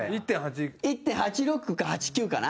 中居：１．８６か１．８９かな。